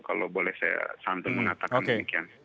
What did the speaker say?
kalau boleh saya santun mengatakan demikian